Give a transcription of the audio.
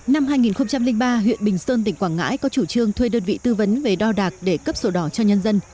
năm hai nghìn ba huyện bình sơn tỉnh quảng ngãi có chủ trương thuê đơn vị tư vấn về đo đạc để cấp sổ đỏ cho nhân dân